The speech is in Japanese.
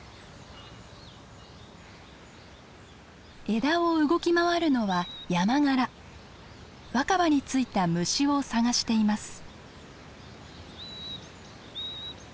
枝を動き回るのは若葉についた虫を探しています。